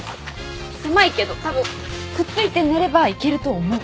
狭いけどたぶんくっついて寝ればいけると思う。